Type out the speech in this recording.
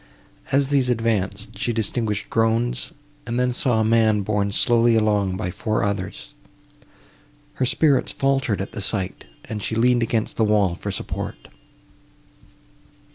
As these advanced, she distinguished groans, and then saw a man borne slowly along by four others. Her spirits faltered at the sight, and she leaned against the wall for support.